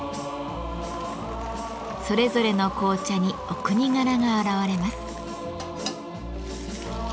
それぞれの紅茶にお国柄が表れます。